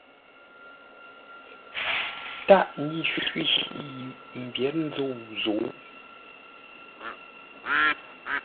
Tâʼ nyǐ shwî yi m mbyěr nzû zǔ.